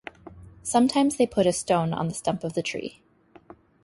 Sometimes they put a stone on the stump of the tree.